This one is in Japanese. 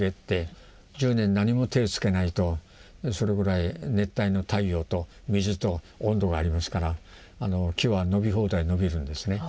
１０年何も手を付けないとそれぐらい熱帯の太陽と水と温度がありますから木は伸び放題伸びるんですね。